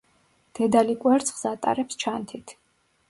დედალი კვერცხს ატარებს ჩანთით.